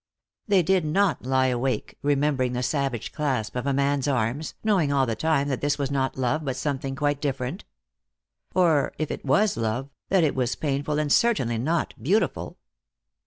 They did not lie awake remembering the savage clasp of a man's arms, knowing all the time that this was not love, but something quite different. Or if it was love, that it was painful and certainly not beautiful.